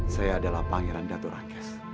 saya adalah pangeran datu ranges